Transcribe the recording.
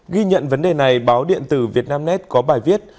ghi nhận vấn đề này báo điện tử việt nam net có bài viết